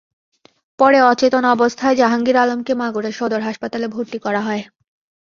পরে অচেতন অবস্থায় জাহাঙ্গীর আলমকে মাগুরা সদর হাসপাতালে ভর্তি করা হয়।